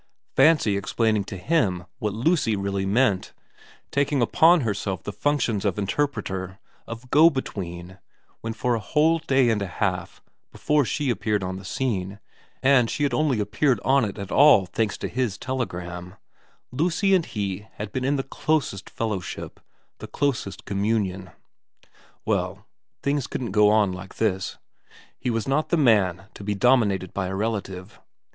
Fancy explaining to him what Lucy really meant, taking upon herself the functions of interpreter, of go between, when for a whole day and a half before she appeared on the scene and she had only appeared on it at all thanks to his telegram Lucy and he had been in the closest fellowship, the closest communion. ... Well, things couldn't go on like this. He was not the man to be dominated by a relative.